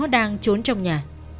đang trốn trong nhà